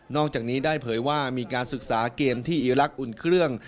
อกจากนี้ได้เผยว่ามีการศึกษาเกมที่อีรักษ์อุ่นเครื่อง